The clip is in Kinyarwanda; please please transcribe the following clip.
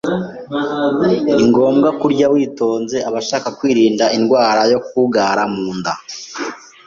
ni ngombwa kurya witonze. Abashaka kwirinda indwara yo kugugara mu nda